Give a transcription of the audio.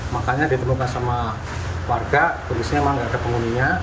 makanya ditemukan sama warga kondisinya memang tidak ada penghuninya